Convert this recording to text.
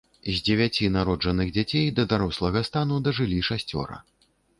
З дзевяці народжаных дзяцей да дарослага стану дажылі шасцёра.